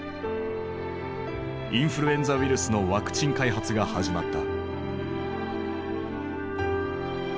インフルエンザウイルスのワクチン開発が始まった。